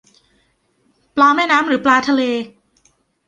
ปลาแม่น้ำหรือปลาทะเล